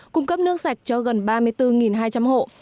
cung cấp nước sạch cho gần ba mươi bốn hai trăm linh hộ